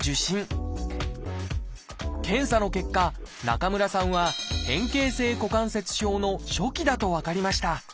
検査の結果中村さんは「変形性股関節症」の初期だと分かりました。